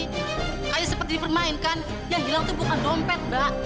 kayaknya sempet dipermainkan yang hilang tuh bukan dompet mbak